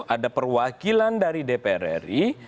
ada perwakilan dari dpr ri